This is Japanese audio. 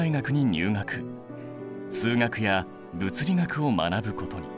数学や物理学を学ぶことに。